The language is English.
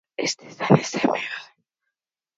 Each vied for control of the Northwest Balkan regions.